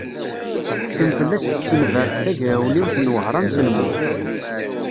Teḥkem fell-as tsenbert tagrawliwt n Wehṛan s lmut.